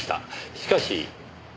しかし。